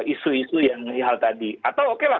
isu isu yang hal tadi atau oke lah